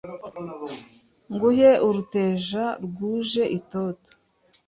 Nguhe uruteja rwuje itoto;